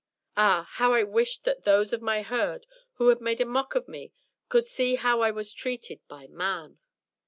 Ah! how I wished that those of my Herd who had made a mock of me could see how I was treated by Men!